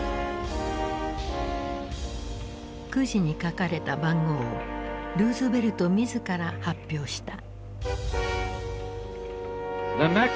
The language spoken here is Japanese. くじに書かれた番号をルーズベルト自ら発表した。